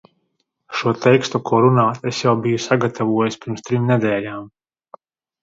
Šo tekstu, ko runāt, es jau biju sagatavojis pirms trim nedēļām.